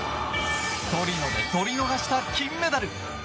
トリノで取り逃した金メダル。